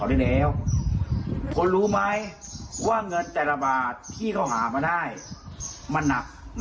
เดี๋ยวได้เจอผมแม่